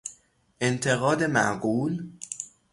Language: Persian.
انتقاد معقول